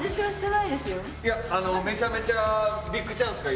いやめちゃめちゃビッグチャンスが今。